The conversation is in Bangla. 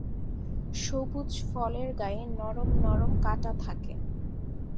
সবুজ ফলের গায়ে নরম নরম কাঁটা থাকে।